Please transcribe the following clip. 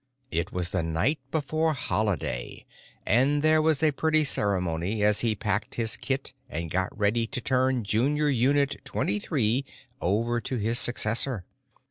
It was the night before Holiday, and there was a pretty ceremony as he packed his kit and got ready to turn Junior Unit Twenty three over to his successor.